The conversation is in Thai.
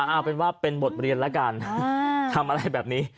เอาเป็นว่าเป็นบทเรียนแล้วกันทำอะไรแบบนี้